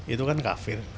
itu kan kafir